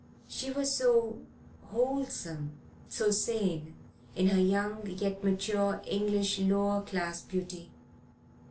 She was so wholesome, so sane, in her young yet mature English lower class beauty.